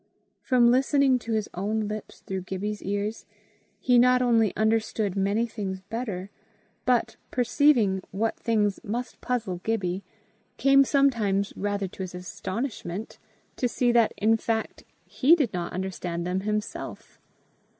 From listening to his own lips through Gibbie's ears, he not only understood many things better, but, perceiving what things must puzzle Gibbie, came sometimes, rather to his astonishment, to see that in fact he did not understand them himself.